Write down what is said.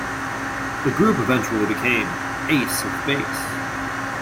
The group eventually became Ace of Base.